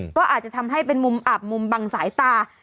ก็อาจจะทำให้เป็นมุมอับมุมบังสายตา